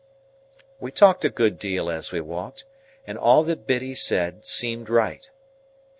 We talked a good deal as we walked, and all that Biddy said seemed right.